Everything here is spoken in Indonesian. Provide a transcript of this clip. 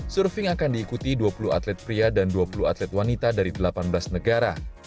surfing akan diikuti dua puluh atlet pria dan dua puluh atlet wanita dari delapan belas negara